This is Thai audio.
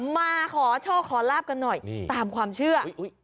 มาขอโชคขอลาบกันหน่อยตามความเชื่อ